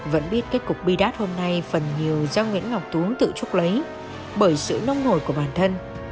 vẫn biết kết cục bi đát hôm nay phần nhiều do nguyễn ngọc tú tự trúc lấy bởi sự nông nổi của bản thân